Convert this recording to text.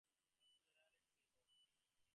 Also generally to rebound.